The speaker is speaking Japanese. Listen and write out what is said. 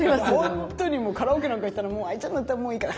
本当にカラオケなんか行ったら「もうＡＩちゃんの歌もういいから」。